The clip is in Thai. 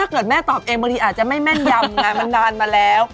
ถ้าเกิดแม่ตอบเองอาจจะไม่แม่นยำไง